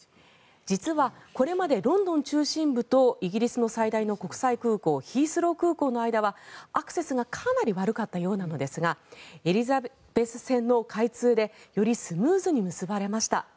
実はこれまでロンドン中心部とイギリスの最大の国際空港ヒースロー空港の間はアクセスがかなり悪かったようなのですがエリザベス線の開通でよりスムーズに結ばれました。